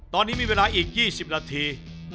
ตอนนี้มีเวลาอีก๒๐นาที